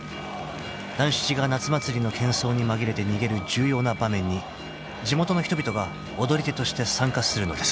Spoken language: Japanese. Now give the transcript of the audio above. ［団七が夏祭りの喧噪に紛れて逃げる重要な場面に地元の人々が踊り手として参加するのです］